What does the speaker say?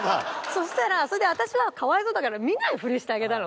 そしたらそれで私はかわいそうだから見ないふりしてあげたの。